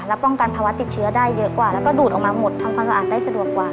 และป้องกันภาวะติดเชื้อได้เยอะกว่าแล้วก็ดูดออกมาหมดทำความสะอาดได้สะดวกกว่า